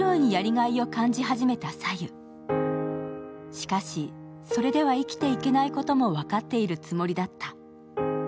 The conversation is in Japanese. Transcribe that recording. しかし、それでは生きていけないことも分かっているつもりだった。